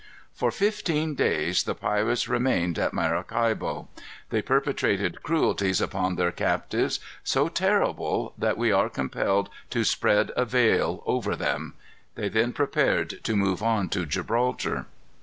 For fifteen days the pirates remained at Maracaibo. They perpetrated cruelties upon their captives so terrible, that we are compelled to spread a veil over them. They then prepared to move on to Gibraltar.